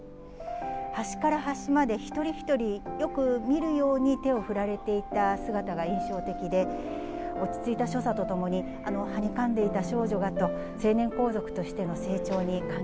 端から端まで、一人一人よく見るように手を振られていた姿が印象的で、落ち着いた所作とともに、あのはにかんでいた少女がと、成年皇族